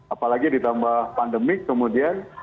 apalagi ditambah pandemik kemudian